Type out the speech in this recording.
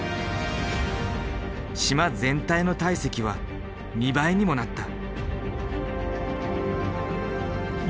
島全体の体積は２倍にもなった。